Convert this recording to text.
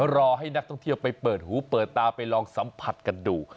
รอให้นักท่องเที่ยวไปเปิดหูเปิดตาไปลองสัมผัสกันดู